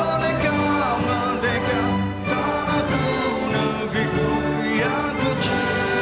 hadiin di mohon berdiri